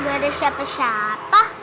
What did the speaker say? nggak ada siapa siapa